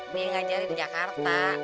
dia ngajarin di jakarta